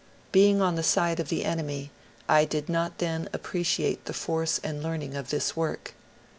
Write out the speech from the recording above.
'' Being on the side of the enemy, I did not then appreciate the force and learn ing of this work.